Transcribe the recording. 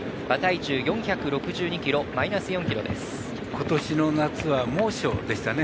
今年の夏は猛暑でしたね。